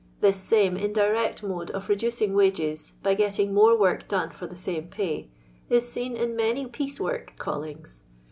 This same indirect mode of reducing wages (by getting more work done for the same pay) is seen in numy piece work callings.